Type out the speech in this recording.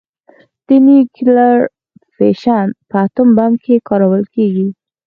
د نیوکلیر فیشن په اټوم بم کې کارول کېږي.